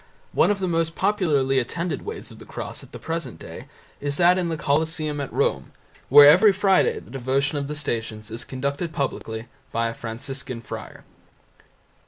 One of the most popularly attended Ways of the Cross at the present day is that in the Colosseum at Rome, where every Friday the devotion of the Stations is conducted publicly by a Franciscan Father.